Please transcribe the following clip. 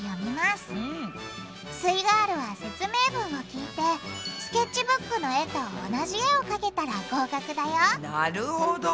すイガールは説明文を聞いてスケッチブックの絵と同じ絵をかけたら合格だよなるほど！